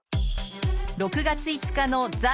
６月５日の『ザ！